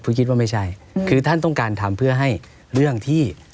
เพราะคิดว่าไม่ใช่คือท่านต้องการทำเพื่อให้เรื่องที่